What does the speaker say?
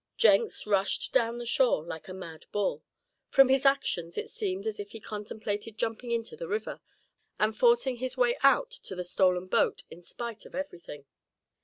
Jenks rushed down the shore like a mad bull. From his actions it seemed as if he contemplated jumping into the river, and forcing his way out to the stolen boat in spite of everything.